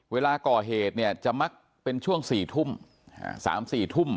เวลาก่อเหตุเนี่ยจะมักเป็นช่วง๔ทุ่ม๓๔ทุ่ม